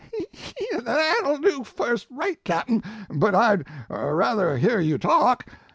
"That ll do fust rate, cap n, but I d ruther hear you talk.